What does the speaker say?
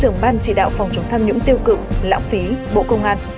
trưởng ban chỉ đạo phòng chống tham nhũng tiêu cực lãng phí bộ công an